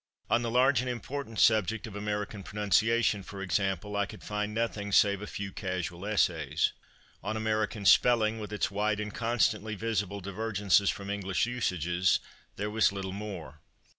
On the large and important subject of American pronunciation, for example, I could find nothing save a few casual essays. On American spelling, with its wide and constantly visible divergences from English usages, there was little more.